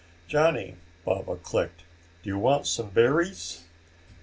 "Johnny," Baba clicked, "do you want some berries?"